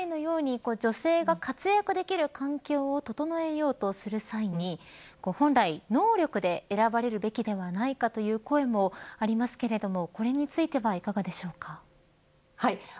ただ今回のように女性が活躍できる環境を整えようとする際に本来、能力で選ばれるべきではないかという声もありますけれどもこれについてはいかがでしょうか。